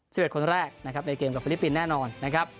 สิบเอ็ดคนแรกนะครับในเกมกับฟิลิปปินส์แน่นอนนะครับ